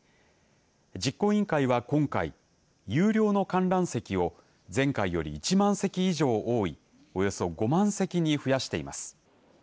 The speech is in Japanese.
実行委員会は今回有料の観覧席を前回より１万席以上多いおよそ５万席に増やしています。